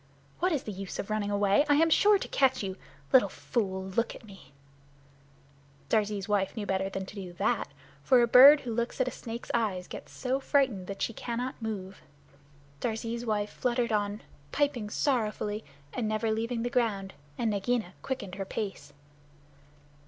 What is the use of running away? I am sure to catch you. Little fool, look at me!" Darzee's wife knew better than to do that, for a bird who looks at a snake's eyes gets so frightened that she cannot move. Darzee's wife fluttered on, piping sorrowfully, and never leaving the ground, and Nagaina quickened her pace.